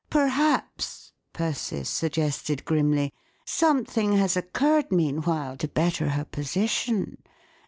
" Perhaps," Persis suggested, grimly, " something has occurred meanwhile to better her position.